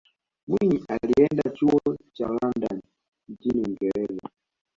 mwinyi alienda chuo cha london nchini uingereza